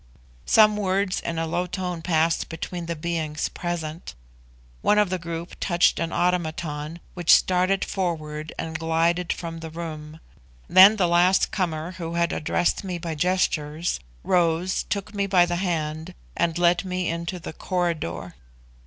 Some words in a low tone passed between the being present; one of the group touched an automaton, which started forward and glided from the room; then the last comer, who had addressed me by gestures, rose, took me by the hand, and led me into the corridor.